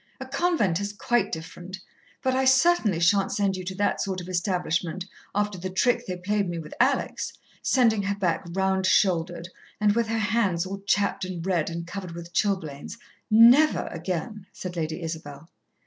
A convent is quite different but I certainly shan't send you to that sort of establishment, after the trick they played me with Alex, sendin' her back round shouldered, and with her hands all chapped and red and covered with chilblains. Never again," said Lady Isabel.